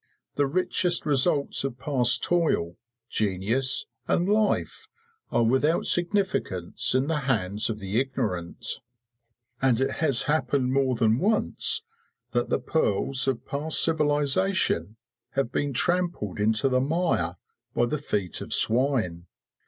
The richest results of past toil, genius, and life are without significance in the hands of the ignorant; and it has happened more than once that the pearls of past civilisation have been trampled into the mire by the feet of swine.